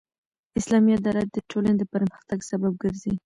اسلامي عدالت د ټولني د پرمختګ سبب ګرځي.